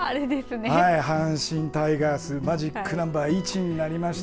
阪神タイガースマジックナンバーが１になりました。